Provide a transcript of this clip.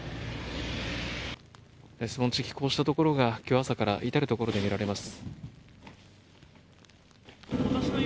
守門地区ではこうしたところが今日朝から至るところで見られます。